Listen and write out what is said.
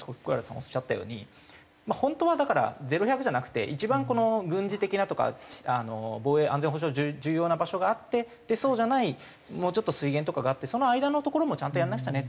おっしゃったように本当はだからゼロ１００じゃなくて一番軍事的なとか防衛・安全保障上重要な場所があってそうじゃないもうちょっと水源とかがあってその間の所もちゃんとやらなくちゃねっていう。